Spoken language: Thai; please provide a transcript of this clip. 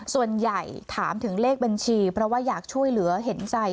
ส่วนใหญ่ถามถึงเลขบัญชีเพราะว่าอยากช่วยเหลือเห็นใจ